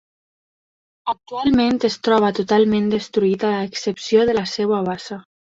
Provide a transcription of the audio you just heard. Actualment es troba totalment destruït a excepció de la seva bassa.